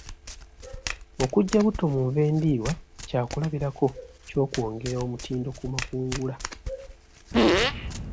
Okuggya butto mu nva endiirwa kyakulabirako ky'okwongera omutindo ku makungula.